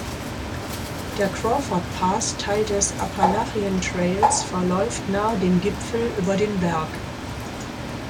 Der Crawford Path, Teil des Appalachian Trails, verläuft nahe dem Gipfel über den Berg.